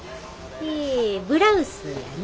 えブラウスやね。